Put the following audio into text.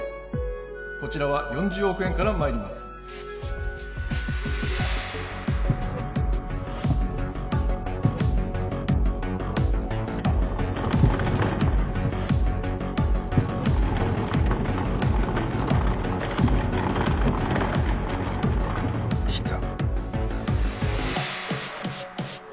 こちらは４０億円からまいりますきた